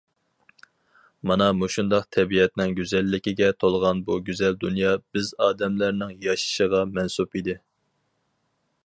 مانا مۇشۇنداق تەبىئەتنىڭ گۈزەللىكىگە تولغان بۇ گۈزەل دۇنيا بىز ئادەملەرنىڭ ياشىشىغا مەنسۇپ ئىدى.